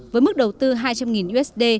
với mức đầu tư hai trăm linh usd